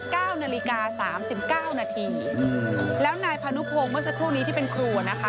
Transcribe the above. เก้านาฬิกาสามสิบเก้านาทีแล้วนายพานุพงศ์เมื่อสักครู่นี้ที่เป็นครูอ่ะนะคะ